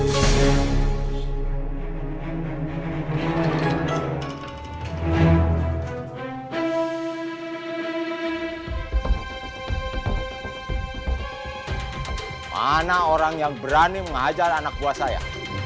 mana orang yang berani mengajar anak buah saya